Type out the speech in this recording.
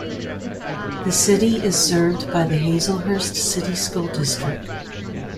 The city is served by the Hazlehurst City School District.